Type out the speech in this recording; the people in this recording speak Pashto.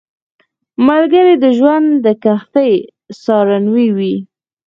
ملګری د ژوند د کښتۍ سارنوی وي